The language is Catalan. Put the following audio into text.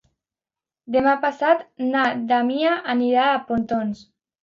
Demà passat na Damià anirà a Pontons.